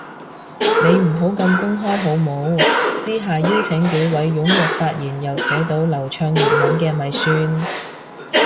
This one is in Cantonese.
你唔好咁公開好冇，私下邀請幾位踴躍發言又寫到流暢粵文嘅咪算